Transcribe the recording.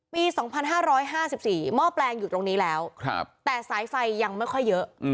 ปี๒๕๕๔หม้อแปลงอยู่ตรงนี้แล้วแต่สายไฟยังไม่ค่อยเยอะ